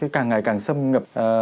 càng ngày càng sâm ngập